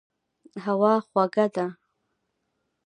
هوا خوږه ده.